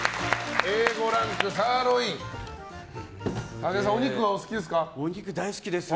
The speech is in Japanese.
武田さん、お肉はお好きですか？